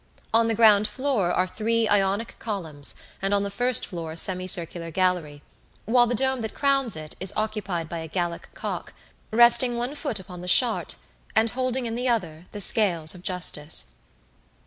On the ground floor are three Ionic columns and on the first floor a semicircular gallery, while the dome that crowns it is occupied by a Gallic cock, resting one foot upon the "Charte" and holding in the other the scales of Justice.